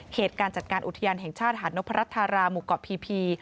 เขตการจัดการอุทยานแห่งชาติหานพระรัชธารามุกเกาะพี